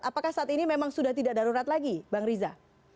apakah saat ini memang sudah tidak darurat lagi bang riza